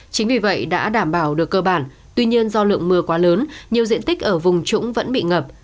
chính vì vậy đã đảm bảo được cơ bản tuy nhiên do lượng mưa quá lớn nhiều diện tích ở vùng trũng vẫn bị ngập